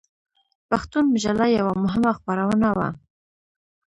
پښتون مجله یوه مهمه خپرونه وه.